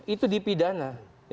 itu di pidana